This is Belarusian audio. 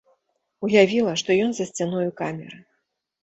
Уявіла, што ён за сцяною камеры.